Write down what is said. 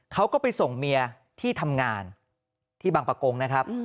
เขาก็ไปส่งเมียที่ทำงานที่บางประกงนะครับ